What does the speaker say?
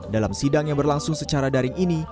dalam sidang yang berlangsung secara daring ini